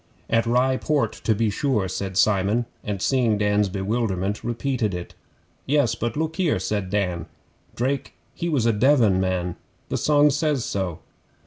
'At Rye Port, to be sure,' said Simon, and seeing Dan's bewilderment, repeated it. 'Yes, but look here,' said Dan. '"Drake he was a Devon man." The song says so.